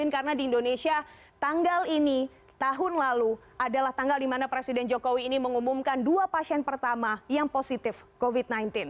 karena di indonesia tanggal ini tahun lalu adalah tanggal dimana presiden jokowi ini mengumumkan dua pasien pertama yang positif covid sembilan belas